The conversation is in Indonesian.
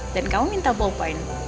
dan kamu minta ballpoint